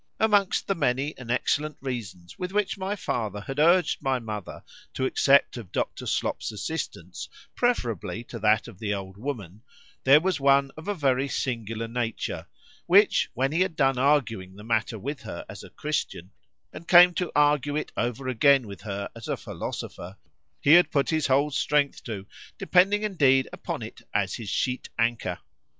Amongst the many and excellent reasons, with which my father had urged my mother to accept of Dr. Slop's assistance preferably to that of the old woman,——there was one of a very singular nature; which, when he had done arguing the matter with her as a Christian, and came to argue it over again with her as a philosopher, he had put his whole strength to, depending indeed upon it as his sheet anchor.